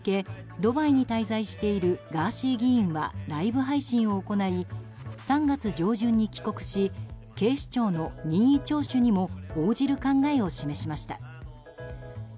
ドバイに滞在しているガーシー議員はライブ配信を行い３月上旬に帰国し警視庁の任意聴取にも応じる考えを示しました。